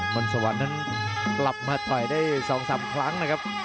นสวรรค์นั้นกลับมาต่อยได้๒๓ครั้งนะครับ